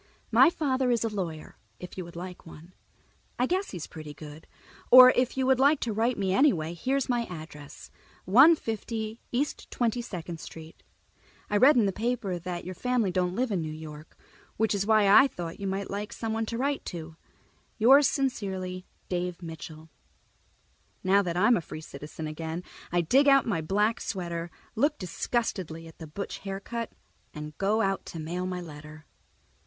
My father is a lawyer, if you would like one. I guess he's pretty good. Or if you would like to write me anyway, here is my address: 150 East 22 St. I read in the paper that your family don't live in New York, which is why I thought you might like someone to write to._ Yours sincerely, Dave Mitchell Now that I'm a free citizen again, I dig out my black sweater, look disgustedly at the butch haircut, and go out to mail my letter.